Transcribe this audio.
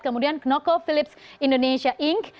kemudian knoko philips indonesia inc